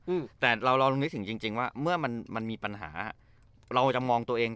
อืมแต่เราเรานึกถึงจริงจริงว่าเมื่อมันมันมีปัญหาเราจะมองตัวเอง